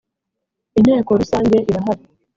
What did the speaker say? inteko rusange irahari.